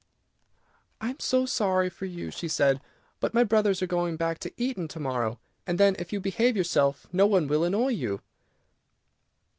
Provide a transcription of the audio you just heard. "I am so sorry for you," she said, "but my brothers are going back to Eton to morrow, and then, if you behave yourself, no one will annoy you."